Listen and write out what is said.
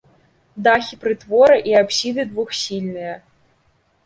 Дахі прытвора і апсіды двухсхільныя.